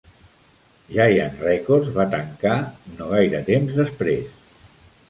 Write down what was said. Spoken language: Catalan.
Giant Records va tancar no gaire temps després.